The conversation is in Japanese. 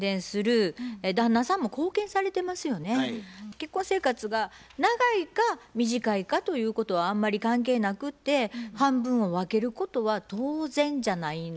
結婚生活が長いか短いかということはあんまり関係なくて半分を分けることは当然じゃないのかなと思います。